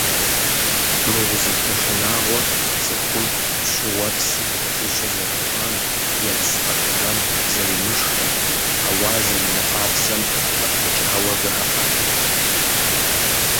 Мы узыфэ шынагъуэр цӀыхур щӀыуэпсым пэжыжьэ зэрыхъуам, ерыскъы тэмэм зэримышхым, хьэуар зэрымыкъабзэм къыхэкӀауэ жаӏэ.